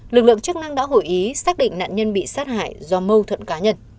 lực lượng chức năng đã hội ý xác định nạn nhân bị sát hại do mâu thuẫn cá nhân